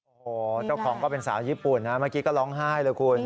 โอ้โหเจ้าของก็เป็นสาวญี่ปุ่นนะเมื่อกี้ก็ร้องไห้เลยคุณ